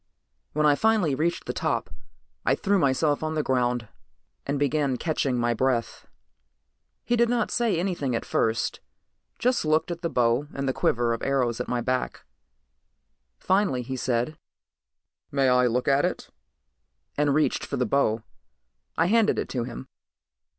When I finally reached the top, I threw myself on the ground and began catching my breath. He didn't say anything at first, just looked at the bow and the quiver of arrows on my back. Finally he said, "May I look at it?" and reached for the bow. I handed it to him.